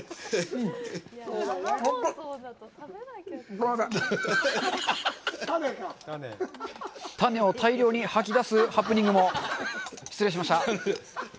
ごめんなさい種を大量に吐き出すハプニングも失礼しました